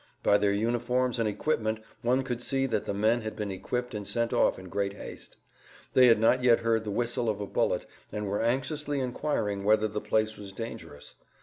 By their uniforms and equipment one could see that the men had been equipped and sent off in great haste. They had not yet heard the whistle of a bullet, and were anxiously inquiring whether the place was dangerous.